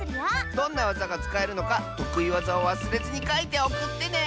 どんなわざがつかえるのかとくいわざをわすれずにかいておくってね！